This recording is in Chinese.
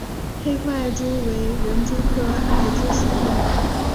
黑腹艾蛛为园蛛科艾蛛属的动物。